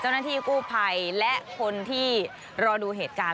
เจ้าหน้าที่กู้ภัยและคนที่รอดูเหตุการณ์